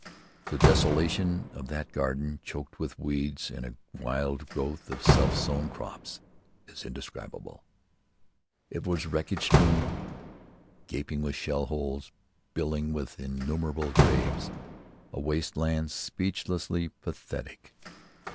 The desolation of that garden, choked with weeds and a wild growth of self sown crops, is indescribable. It was wreckage strewn, gaping with shell holes, billowing with innumerable graves, a waste land speechlessly pathetic.